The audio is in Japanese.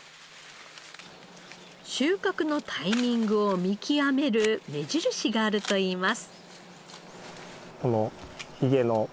収穫のタイミングを見極める目印があるといいます。